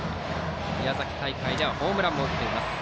宮崎大会ではホームランも打っています